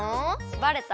バレた？